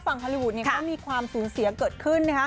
ฝั่งฮอลลี่วูดก็มีความสูญเสียเกิดขึ้น